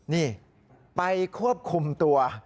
นี่ไปควบคุมตัว